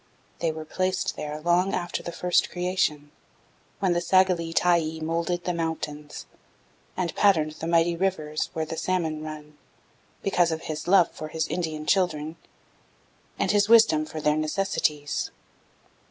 They were placed there long after the first creation, when the Sagalie Tyee moulded the mountains, and patterned the mighty rivers where the salmon run, because of His love for His Indian children, and His wisdom for their necessities.